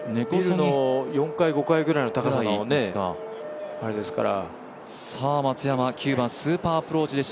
ビルの４階、５階くらいの高さのあれですから。